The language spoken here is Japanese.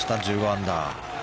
１５アンダー。